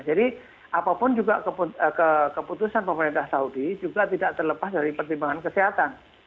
jadi apapun juga keputusan pemerintah saudi juga tidak terlepas dari pertimbangan kesehatan